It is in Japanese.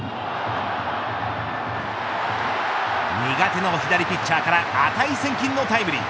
苦手の左ピッチャーから値千金のタイムリー。